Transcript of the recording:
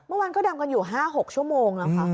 เมื่อวานก็ดำกันอยู่๕๖ชั่วโมงแล้วค่ะ